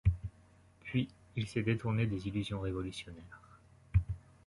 Puis il s’est détourné des illusions révolutionnaires.